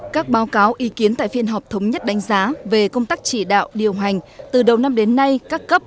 các báo cáo ý kiến tại phiên họp thống nhất đánh giá về công tác chỉ đạo điều hành từ đầu năm đến nay các cấp